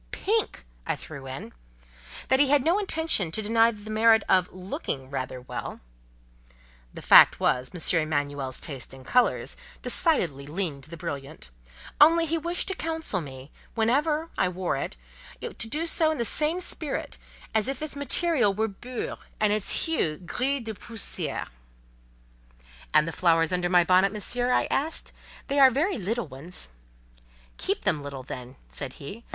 pink!" I threw in); "that he had no intention to deny it the merit of looking rather well" (the fact was, M. Emanuel's taste in colours decidedly leaned to the brilliant); "only he wished to counsel me, whenever, I wore it, to do so in the same spirit as if its material were 'bure,' and its hue 'gris de poussière.'" "And the flowers under my bonnet, Monsieur?" I asked. "They are very little ones—?" "Keep them little, then," said he.